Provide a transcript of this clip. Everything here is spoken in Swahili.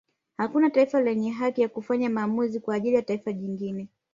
Hakuna taifa lenye haki ya kufanya maamuzi kwa ajili ya taifa jingine